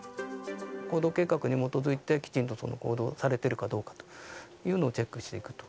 行動計画に基づいて、きちんと行動されているかどうかというのをチェックしていくと。